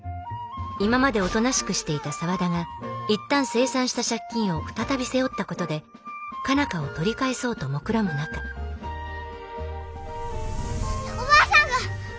今までおとなしくしていた沢田がいったん清算した借金を再び背負ったことで佳奈花を取り返そうともくろむ中おばあさんが！